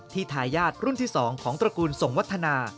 ทายาทรุ่นที่๒ของตระกูลส่งวัฒนา